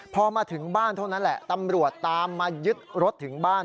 พอมาถึงบ้านเท่านั้นแหละตำรวจตามมายึดรถถึงบ้าน